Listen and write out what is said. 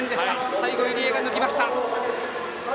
最後、入江が抜きました。